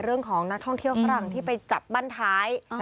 เรื่องของนักท่องเที่ยวฝรั่งที่ไปจับบ้านท้าย